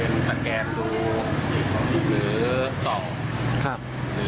เอ่อถึงกองสลากก็จะรู้ครับ